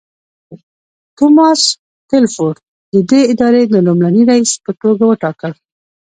توماس ټیلفورډ ددې ادارې د لومړني رییس په توګه وټاکل.